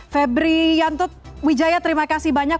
febri yantut wijaya terima kasih banyak